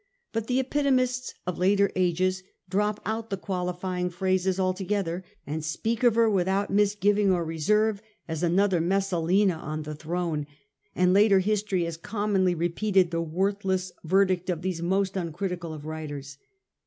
But the epitomists of later ages drop out the qualifying phrases altogether, and speak of her without misgiving or reserve as another Messalina on the throne, and later history has commonly repeated the worthless verdict of these most uncritical of writers.